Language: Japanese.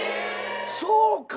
そうか。